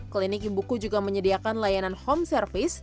klinik ibuku juga menyediakan layanan home service